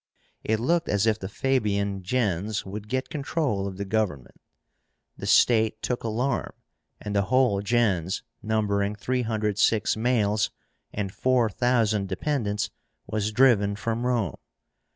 It looked as if the Fabian gens would get control of the government. The state took alarm, and the whole gens, numbering 306 males and 4,000 dependents, was driven from Rome.